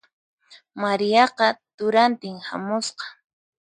Mariaqa turantin hamusqa.